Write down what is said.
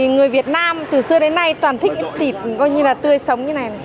người việt nam từ xưa đến nay toàn thích thịt tươi sống như thế này